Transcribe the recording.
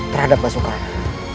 terhadap mbak soekarno